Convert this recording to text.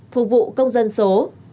ba phục vụ công dân số